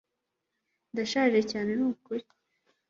ndashaje cyane nukuri